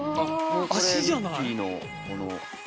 足じゃない。